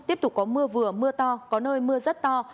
tiếp tục có mưa vừa mưa to có nơi mưa rất to